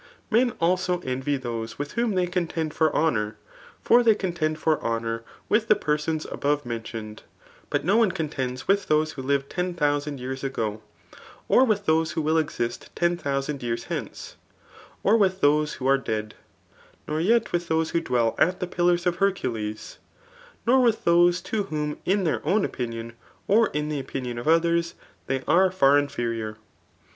'' Men also envy those with whom they contend for honour; for they conmnd for honour with the persons above menxioned« But no one c(>ntends with those who lived ten Atmsand years ago^ or with those who will exist ten ihousaad yeat^ ience^ or with those who are dead ; nor yet with those who dwell at the pillars of Hercules ; nor with those to whom in their own opinion, or in the opinion of others, they are far inferior.